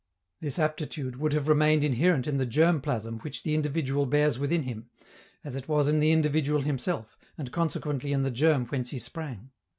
This aptitude would have remained inherent in the germ plasm which the individual bears within him, as it was in the individual himself and consequently in the germ whence he sprang.